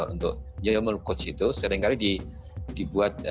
untuk yom kutsu itu seringkali dibuat